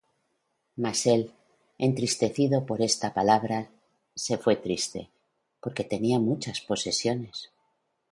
Mas él, entristecido por esta palabra, se fué triste, porque tenía muchas posesiones.